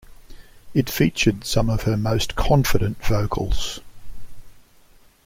It featured some of her most confident vocals.